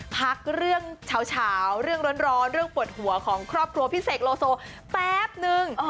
พักเรื่องเฉาเรื่องร้อนเรื่องปวดหัวของครอบครัวพี่เสกโลโซแป๊บนึง